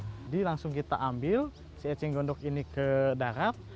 jadi langsung kita ambil si eceng gondok ini ke darat